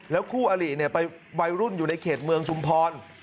คู่อลิไปวัยรุ่นอยู่ในเขตเมืองชุมพร